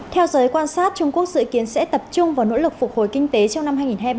theo giới quan sát trung quốc dự kiến sẽ tập trung vào nỗ lực phục hồi kinh tế trong năm hai nghìn hai mươi ba